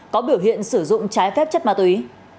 có biểu hiện sử dụng trái phép chất ma túy